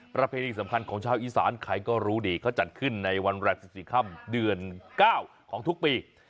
ประเพณีสำคัญของชาวอีสานใครก็รู้ดีเขาจัดขึ้นในวันแรก๑๔ค่ำเดือน๙ของทุกปี